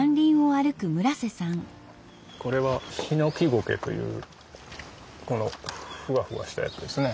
これはヒノキゴケというこのふわふわしたやつですね。